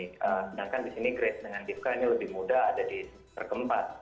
sedangkan di sini grace dengan divka ini lebih muda ada di semester ke empat